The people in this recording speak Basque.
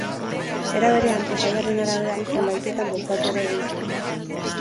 Era berean, epaiaren arabera, zenbaitetan bultzatu ere egin zuen.